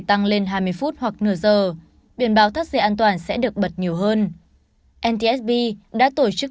tăng lên hai mươi phút hoặc nửa giờ biển báo thắt dây an toàn sẽ được bật nhiều hơn ntsb đã tổ chức